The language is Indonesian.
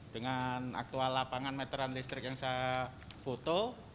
dengan aktual lapangan meteran listrik yang saya foto